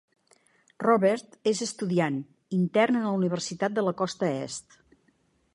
Robert és estudiant, intern en una universitat de la costa Est.